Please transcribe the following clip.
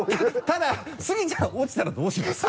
ただスギちゃん落ちたらどうします？